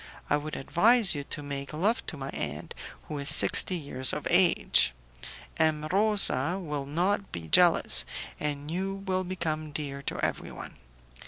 I would advise you to make love to my aunt, who is sixty years of age; M. Rosa will not be jealous, and you will become dear to everyone.